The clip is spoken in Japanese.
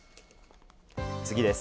次です。